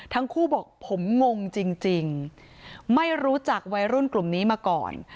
ทั้งคู่บอกผมงงจริงไม่รู้จักวัยรุ่นกลุ่มนี้มาก่อน